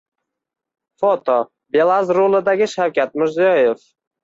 Foto: “Belaz” rulidagi Shavkat Mirziyoyev